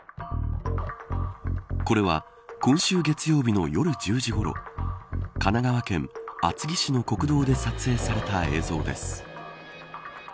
これは今週月曜日の夜１０時ごろ神奈川県厚木市の国道で撮影された映像です。